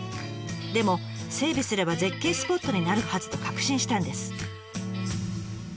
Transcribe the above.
でも整備すれば絶景スポットになるはずと確信したんです。